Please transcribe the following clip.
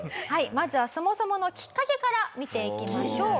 まずはそもそものきっかけから見ていきましょう。